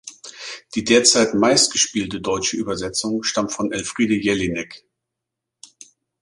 Die derzeit meistgespielte deutsche Übersetzung stammt von Elfriede Jelinek.